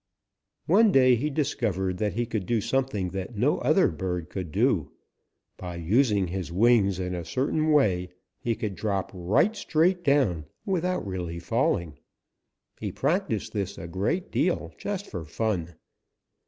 "One day he discovered that he could do something that no other bird could do. By using his wings in a certain way he could drop right straight down without really falling. He practised this a great deal just for fun.